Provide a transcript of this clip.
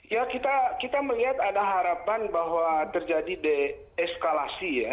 ya kita melihat ada harapan bahwa terjadi deeskalasi ya